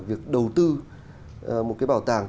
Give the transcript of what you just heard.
việc đầu tư một bảo tàng